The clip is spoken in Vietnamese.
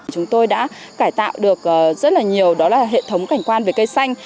chúng tôi đã cải tạo được rất là nhiều hệ thống cảnh quan về cây xanh